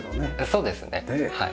そうですねはい。